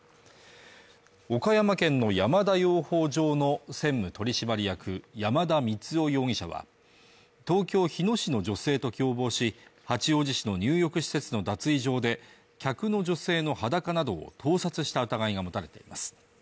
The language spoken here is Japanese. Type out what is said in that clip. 岡山県の山田養蜂場の専務取締役山田満生容疑者は東京日野市の女性と共謀し八王子市の入浴施設の脱衣場で客の女性の裸などを盗撮した疑いが持たれています